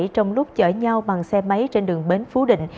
trong lúc chở nhau bằng xe máy trên đường bến phú định